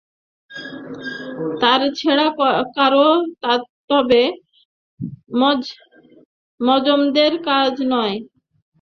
তারছেড়া কারো তবে জমজদের কাজ নয়।